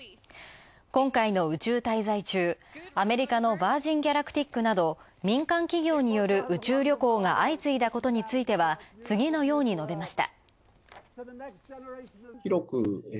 今回の宇宙滞在中、アメリカのヴァージン・ギャラクティックなど民間企業による宇宙旅行が相次いだことについては次のように述べました。